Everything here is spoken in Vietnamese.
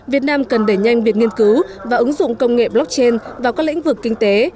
việt nam cần đẩy nhanh việc nghiên cứu và ứng dụng công nghệ blockchain vào các lĩnh vực kinh tế